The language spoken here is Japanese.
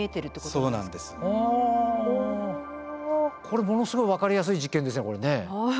これものすごい分かりやすい実験ですねこれね。